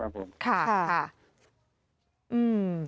ช่าตั๋วโดยเต็มราคานะครับผม